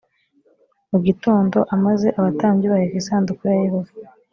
mugitondo amaze abatambyi baheka isanduku ya yehova